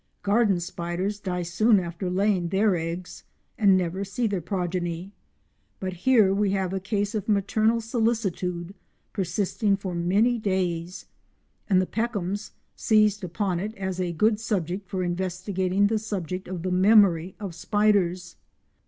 Garden spiders die soon after laying their eggs and never see their progeny, but here we have a case of maternal solicitude persisting for many days, and the Peckhams seized upon it as a good subject for investigating the subject of the memory of spiders.